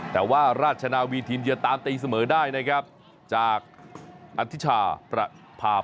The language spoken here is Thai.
แต่ว่าราชนาวีทีมอย่าตามตีเสมอได้นะครับจากอธิชาพาพันธ์ครับ